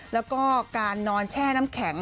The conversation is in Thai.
แล้วก็การนอนแช่น้ำแข็ง